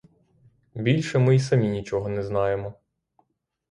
Більше ми й самі нічого не знаємо.